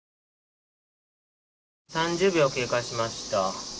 ３０秒経過しました。